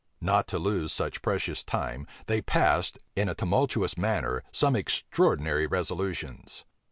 Not to lose such precious time, they passed, in a tumultuous manner, some extraordinary resolutions.